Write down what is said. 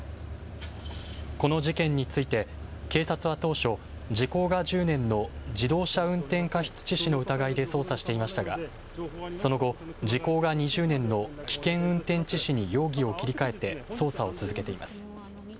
この事件について警察は当初、時効が１０年の自動車運転過失致死の疑いで捜査していましたが、その後、時効が２０年の危険運転致死に容疑を切り替えて捜査を続けています。